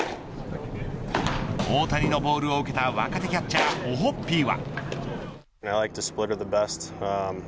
大谷のボールを受けた若手キャッチャーオホッピーは。